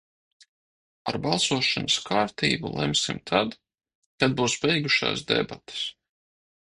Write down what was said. Par balsošanas kārtību lemsim tad, kad būs beigušās debates.